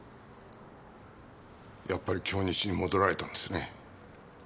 やっぱり京日に戻られたんですね。